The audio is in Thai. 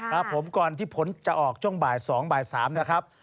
ครับผมก่อนที่ผลจะออกช่วงบ่าย๒บ่าย๓นะครับ